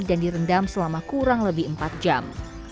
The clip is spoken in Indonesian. dan direndam selama kurang lebih empat jam